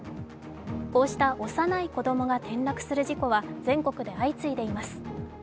こうした幼い子供が転落する事故は全国で相次いでいます。